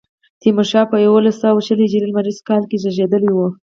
تیمورشاه په یوولس سوه شل هجري لمریز کال کې زېږېدلی و.